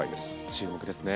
注目ですね。